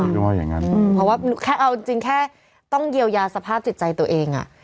เพราะว่าเอาจริงแค่ต้องเยียวยาสภาพจิตใจตัวเองอะ